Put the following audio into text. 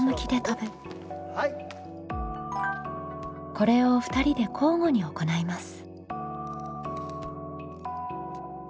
これを２人で交互に行います。